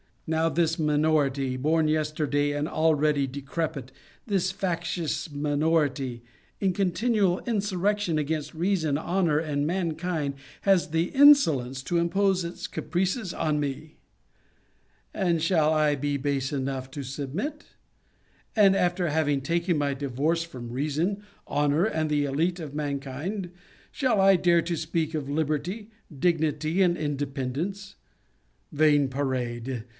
Now this minority, born yesterday and already decrepit ; this factious minority, in continual insurrection against reason, honor and mankind, has the insolence to impose its caprices on me ! And shall I be base enough to submit ? And after having taken my divorce from reason, honor, and the elite of mankind, shall I dare to speak of liberty, dignity, and independence ? Vain parade